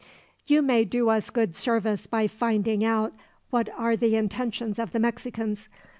"You may do us good service by finding out what are the intentions of the Mexicans.